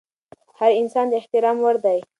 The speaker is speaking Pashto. هر انسان د احترام وړ دی.